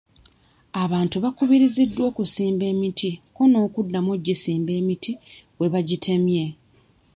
Abantu bakubirizibwa okusimba emiti kko n'akuddamu okugisimba emiti we bagitemye.